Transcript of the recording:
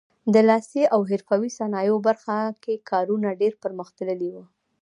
د لاسي او حرفوي صنایعو برخه کې کارونه ډېر پرمختللي وو.